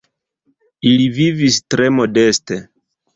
Ili vivis tre modeste.